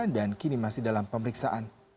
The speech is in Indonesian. dan kini masih dalam pemeriksaan